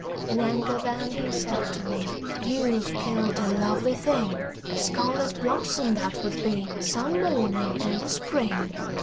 In anger then he said to me: "You've killed a lovely thing; A scarlet blossom that would be Some morning in the Spring."